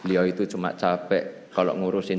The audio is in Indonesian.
beliau itu cuma capek kalau ngurusin